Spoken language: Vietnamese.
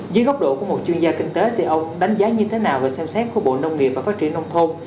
dưới góc độ của một chuyên gia kinh tế thì ông đánh giá như thế nào về xem xét của bộ nông nghiệp và phát triển nông thôn